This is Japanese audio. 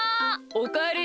おかえり。